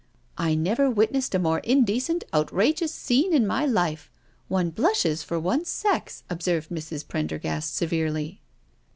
" I never witnessed a more indecent, outrageous scene in my life — one blushes for one's sex," observed Mrs. Prendergast severely.